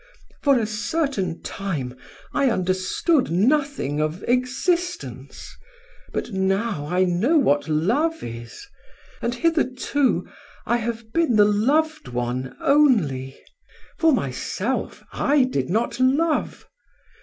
For a certain time I understood nothing of existence, but now I know what love is, and hitherto I have been the loved one only; for myself, I did not love.